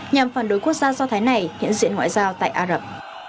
nhằm phản đối quốc gia do thái này hiện diện ngoại giao tại ả rập